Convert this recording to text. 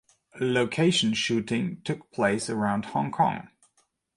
Location shooting took place around Hong Kong.